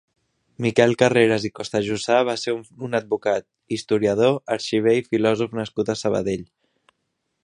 Miquel Carreras i Costajussà va ser un advocat, historiador, arxiver i filòsof nascut a Sabadell.